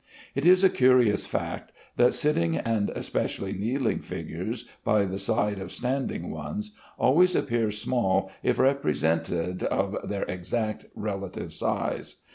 It is a curious fact, that sitting and especially kneeling figures by the side of standing ones always appear small if represented of their exact relative size.